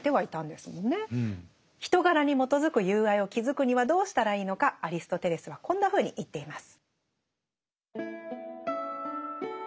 人柄に基づく友愛を築くにはどうしたらいいのかアリストテレスはこんなふうに言っています。